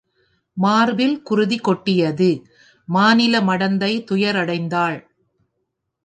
மார்பில் குருதி கொட்டியது மாநில மடந்தை துயர் அடைந்தாள்.